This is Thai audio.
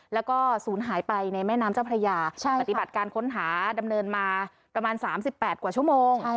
แล้วก็ศูนย์หายไปในแม่น้ำเจ้าพระยาปฏิบัติการค้นหาดำเนินมาประมาณ๓๘กว่าชั่วโมง